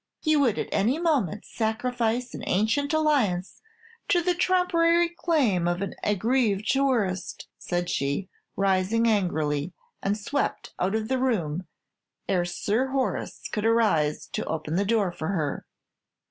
You would at any moment sacrifice an ancient alliance to the trumpery claim of an aggrieved tourist," said she, rising angrily, and swept out of the room ere Sir Horace could arise to open the door for her.